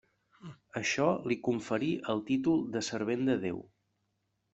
Això li conferí el títol de Servent de Déu.